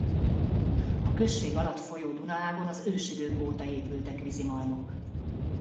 A község alatt folyó Duna-ágon az ősidők óta épültek vízimalmok.